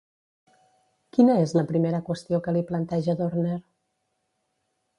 Quina és la primera qüestió que li planteja Dörner?